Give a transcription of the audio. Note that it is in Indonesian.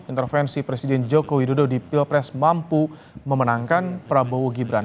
intervensi presiden joko widodo di pilpres mampu memenangkan prabowo gibran